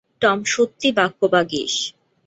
Tom সত্যি বাক্যবাগীশ।